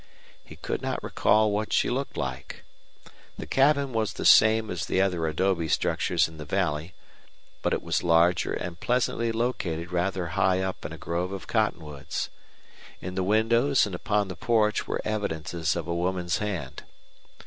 He could not recall what she looked like. The cabin was the same as the other adobe structures in the valley, but it was larger and pleasantly located rather high up in a grove of cottonwoods. In the windows and upon the porch were evidences of a woman's hand.